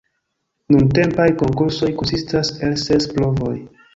Nuntempaj konkursoj konsistas el ses provoj.